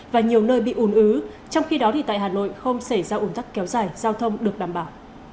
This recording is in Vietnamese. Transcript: và nhiều nơi bị ùn ứ trong khi đó thì tại hà nội không xảy ra ủn tắc kéo dài giao thông được đảm bảo